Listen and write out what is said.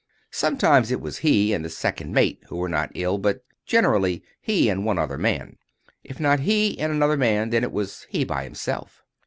Sometimes it was he and the second mate who were not ill; but it was generally he and one other man. If not he and another man, then it was he by himself.